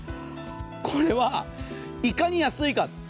これはいかに安いか。